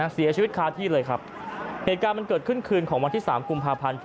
เสียชีวิตคาที่เลยครับเหตุการณ์มันเกิดขึ้นคืนของวันที่๓กุมภาพันธ์